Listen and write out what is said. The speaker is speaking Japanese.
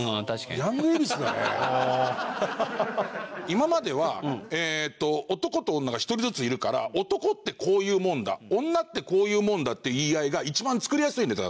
今までは男と女が１人ずついるから男ってこういうもんだ女ってこういうもんだって言い合いが一番作りやすいネタだったの。